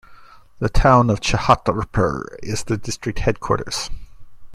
The town of Chhatarpur is the district headquarters.